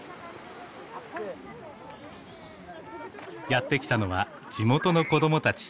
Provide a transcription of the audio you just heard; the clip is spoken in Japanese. やって来たのは地元の子供たち。